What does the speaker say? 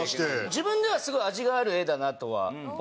自分ではすごい味がある絵だなとは思うんですよね。